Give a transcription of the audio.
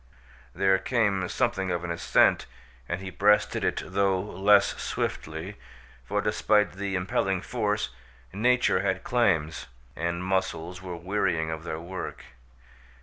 There came something of an ascent and he breasted it, though less swiftly, for, despite the impelling force, nature had claims, and muscles were wearying of their work.